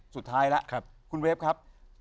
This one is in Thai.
สุดท้ายแล้วคุณเวฟครับ